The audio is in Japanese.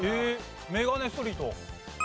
メガネストリート。